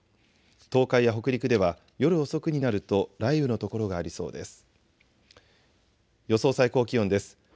東海や北陸では夜遅くになると雷雨の所がありそうです。